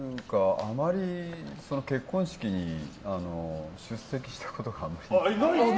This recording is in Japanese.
あまり結婚式に出席したことがない。